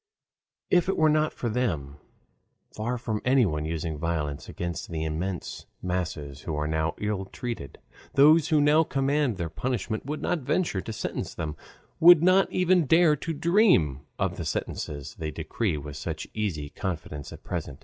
If it were not for them, far from anyone using violence against the immense masses who are now ill treated, those who now command their punishment would not venture to sentence them, would not even dare to dream of the sentences they decree with such easy confidence at present.